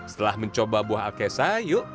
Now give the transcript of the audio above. setelah mencoba buah akesa yuk